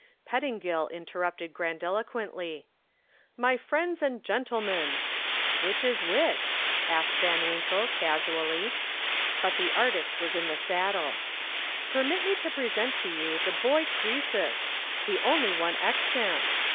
Pettingill interrupted grandiloquently. "My friends and gentlemen!" "Which is which?" asked Van Winkle, casually. But the artist was in the saddle. "Permit me to present to you the boy Croesus the only one extant.